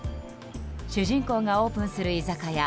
主人公がオープンする居酒屋